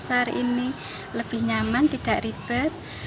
sepeda motor ini lebih nyaman tidak ribet